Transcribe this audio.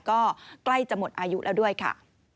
ก็ใกล้จะหมดอายุแล้วด้วยค่ะ